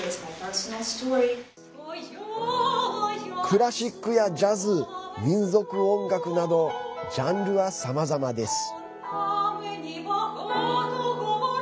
クラシックやジャズ民俗音楽などジャンルはさまざまです。